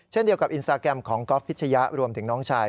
เช่นเดียวกับอินสตาแกรมของก๊อฟพิชยะรวมถึงน้องชาย